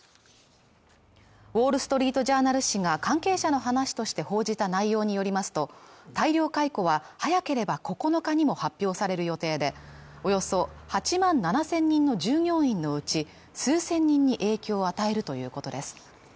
「ウォール・ストリート・ジャーナル」紙が関係者の話として報じた内容によりますと大量解雇は早ければ９日にも発表される予定でおよそ８万７０００人の従業員のうち数千人に影響を与えるということです